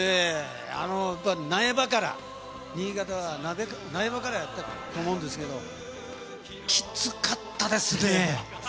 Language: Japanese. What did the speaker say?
なえばから、新潟の苗場からやったと思うんですけど、きつかったですね。